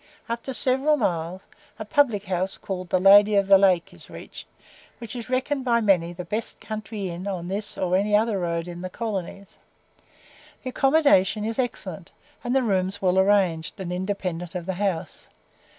After several miles, a public house called the "Lady of the Lake" is reached, which is reckoned by many the best country inn on this or any other road in the colonies. The accommodation is excellent, and the rooms well arranged, and independent of the house.